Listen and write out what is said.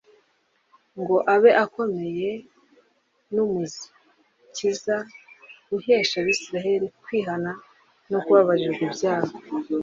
ngo abe ukomeye n'Umukiza uhesha Abisirayeli kwihana no kubabarirwa ibyaha.